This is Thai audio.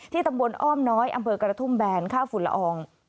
ตำบลอ้อมน้อยอำเภอกระทุ่มแบนค่าฝุ่นละออง